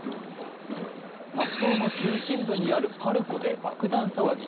札幌の中心部にあるＰＡＲＣＯで爆弾騒ぎ。